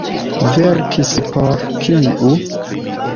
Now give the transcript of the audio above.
Verkis por kiu?